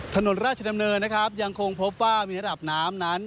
ถนนราชดำเนินนะครับยังคงพบว่ามีระดับน้ำนั้น